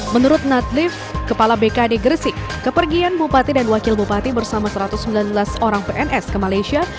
menurut nadlif kepala bkd gresik kepergian bupati dan wakil bupati bersama satu ratus sembilan belas orang pns ke malaysia